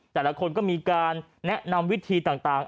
แต่ละคนก็มีการแนะนำวิธีต่าง